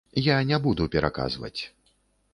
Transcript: Я не буду пераказваць.